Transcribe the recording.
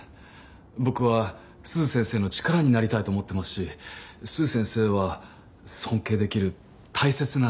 僕は鈴先生の力になりたいと思ってますし鈴先生は尊敬できる大切な先輩です。